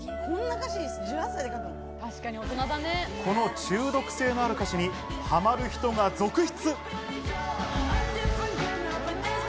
この中毒性のある歌詞にハマる人が続出。